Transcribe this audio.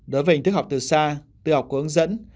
đối với hình thức học từ xa tư học của ứng dẫn